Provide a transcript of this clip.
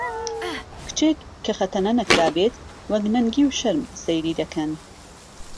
کچێک کە خەتەنە نەکرابێت وەک نەنگی و شەرم سەیری دەکەن